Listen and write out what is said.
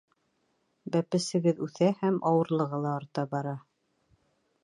Бәпесегеҙ үҫә һәм ауырлығы ла арта бара.